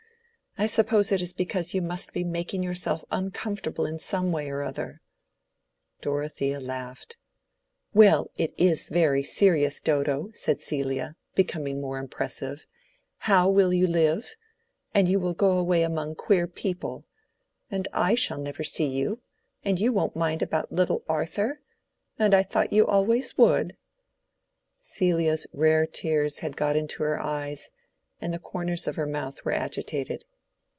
I suppose it is because you must be making yourself uncomfortable in some way or other." Dorothea laughed. "Well, it is very serious, Dodo," said Celia, becoming more impressive. "How will you live? and you will go away among queer people. And I shall never see you—and you won't mind about little Arthur—and I thought you always would—" Celia's rare tears had got into her eyes, and the corners of her mouth were agitated.